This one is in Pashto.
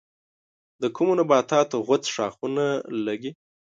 د کومو نباتاتو غوڅ ښاخونه لگي؟